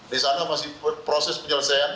di sana masih proses penyelesaian